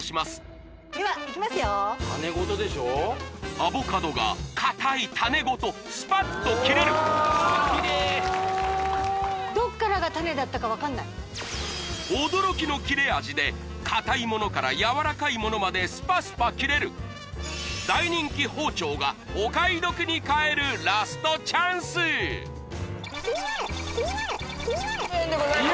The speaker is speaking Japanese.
アボカドが硬い種ごとスパッと切れるきれい！で硬いものからやわらかいものまでスパスパ切れる大人気包丁がお買い得に買えるラストチャンスでございます